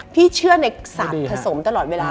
พี่เชื่อในสัตว์ผสมตลอดเวลา